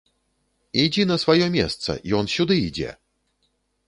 Ідзі на сваё месца, ён сюды ідзе!